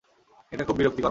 এটা খুব বিরক্তিকর, মা।